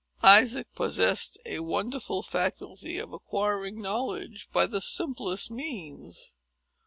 Isaac possessed a wonderful faculty of acquiring knowledge by the simplest means.